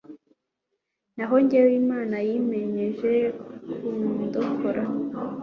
Naho jyewe Imana yiyemeje kundokora